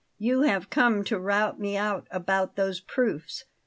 You have come to rout me out about those proofs.